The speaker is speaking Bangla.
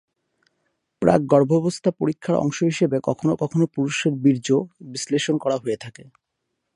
প্রাক গর্ভাবস্থা পরীক্ষার অংশ হিসাবে কখনও কখনও পুরুষের বীর্য বিশ্লেষণ করা হয়ে থাকে।